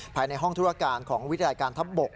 ภายในห้องธุรการของวิทยาลัยการทัพบก